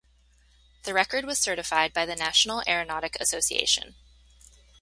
The record was certified by the National Aeronautic Association.